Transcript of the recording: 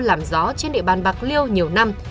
làm gió trên địa bàn bạc liêu nhiều năm